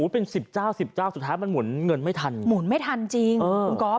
เป็นสิบเจ้าสิบเจ้าสุดท้ายมันหมุนเงินไม่ทันหมุนไม่ทันจริงคุณก๊อฟ